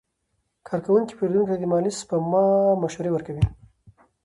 کارکوونکي پیرودونکو ته د مالي سپما مشورې ورکوي.